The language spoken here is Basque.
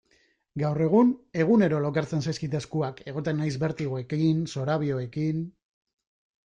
Gaur egun egunero lokartzen zaizkit eskuak, egoten naiz bertigoekin, zorabioekin...